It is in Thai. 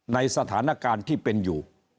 ในสถานการณ์ที่เป็นอยู่